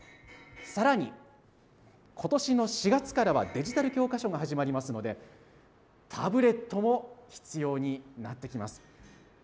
さらに、ことしの４月からは、デジタル教科書が始まりますので、タブレットも必要になってきます。